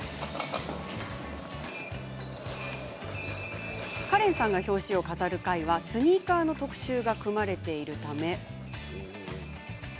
滝沢さんが表紙を飾る回はスニーカーの特集が組まれているため。